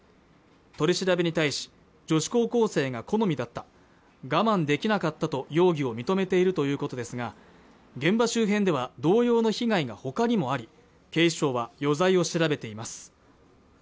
取り調べに対し女子高校生が好みだった我慢できなかったと容疑を認めているということですが現場周辺では同様の被害がほかにもあり警視庁は余罪を調べています